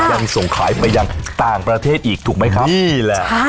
ยังส่งขายไปยังต่างประเทศอีกถูกไหมครับนี่แหละ